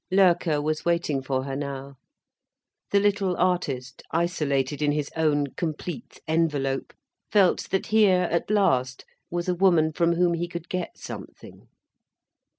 Loerke was waiting for her now. The little artist, isolated in his own complete envelope, felt that here at last was a woman from whom he could get something.